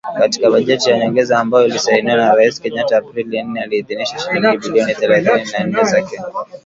Katika bajeti ya nyongeza ambayo ilisainiwa na Rais Kenyatta Aprili nne, aliidhinisha shilingi bilioni thelathini na nne za Kenya .